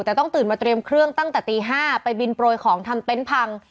แต่ต้องตื่นมาเตรียมเครื่องตั้งแต่ตี๕ไปบินโปรยของทำเต็นต์พัง